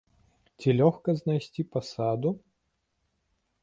Ці лёгка знайсці пасаду?